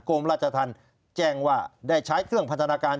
กรมราชธรรมแจ้งว่าได้ใช้เครื่องพัฒนาการ